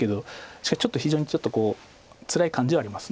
しかしちょっと非常につらい感じはあります。